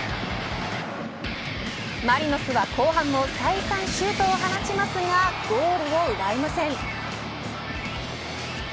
マリノスは後半も再三シュートを放ちますがゴールを奪えません。